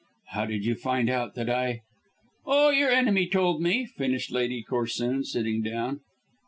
"How did you find out that I " "Oh, your enemy told me," finished Lady Corsoon, sitting down.